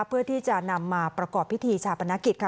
เพื่อที่จะนำมาประกอบพิธีชาปนกิจค่ะ